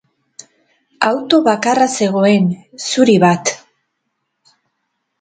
Auto bakarra zegoen, zuri bat.